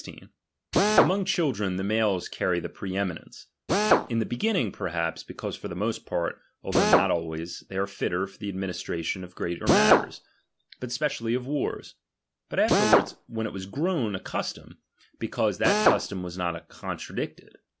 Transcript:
Among children the males carry the pre eminence ; in the beginning perhaps, because for the most part, although not always, they are fitter for the administration of greater matters, but spe cially of wars ; but afterwards, when it was grown a custom, because that custom was not contra dicted.